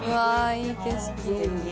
いい景色。